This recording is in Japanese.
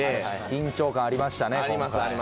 緊張感ありましたね今回。